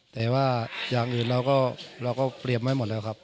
แต่ว่าอย่างอื่นเราก็เตรียมไว้หมดแล้วครับ